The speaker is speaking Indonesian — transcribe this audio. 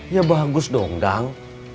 ya bagus dong dang